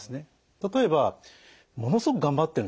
例えばものすごく頑張ってるんだと。